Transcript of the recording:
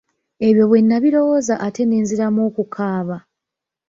Ebyo bwe nabirowooza ate ne nziramu okukaaba.